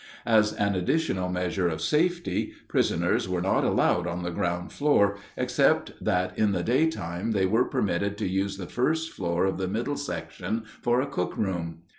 As an additional measure of safety, prisoners were not allowed on the ground floor, except that in the daytime they were permitted to use the first floor of the middle section for a cook room.